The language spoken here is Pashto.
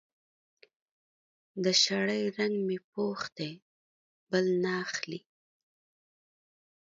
د شړۍ رنګ مې پوخ دی؛ بل نه اخلي.